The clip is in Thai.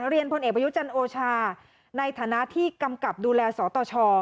พลเอกประยุจันทร์โอชาในฐานะที่กำกับดูแลสตช